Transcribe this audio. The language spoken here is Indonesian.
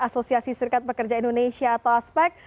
asosiasi serikat pekerja indonesia atau aspek